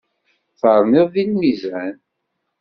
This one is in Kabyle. Terniḍ deg lmizan.